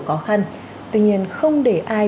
khó khăn tuy nhiên không để ai